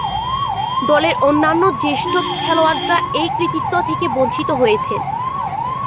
দলের অন্যান্য জ্যেষ্ঠ খেলোয়াড়েরা এ কৃতিত্ব থেকে বঞ্চিত হয়েছেন।